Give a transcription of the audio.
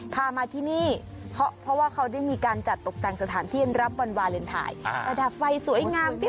พามาที่นี่เพราะเขาได้มีการจัดตกแต่งสถานที่ให้รับวันวาเลนไทย